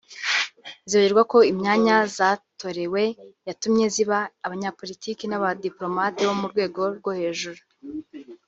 zibagirwa ko imyanya zatorewe yatumye ziba abanyapolitiki n’abadipolomate bo mu rwego rwo hejuru